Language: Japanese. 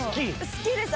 好きです